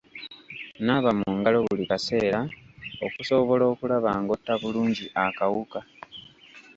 Naaba mu ngalo buli kaseera okusobola okulaba ng'otta bulungi akawuka.